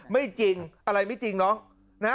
ไม่จริงอะไรไม่จริงเนาะ